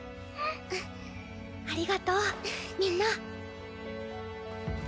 ありがとうみんな。